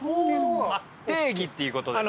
定義っていうことですか。